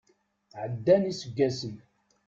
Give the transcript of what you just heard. Ɛeddan iseggasen.